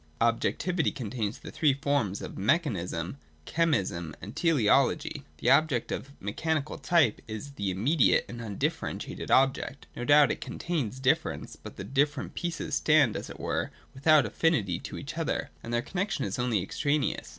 (2) Objectivity contains the three forms of Mechanism, Chemism, and Teleology. The object of mechanical type is the immediate and undifferentiated object. No doubt it con tains difference, but the different pieces stand, as it were, without affinity to each other, and their connexion is only extraneous.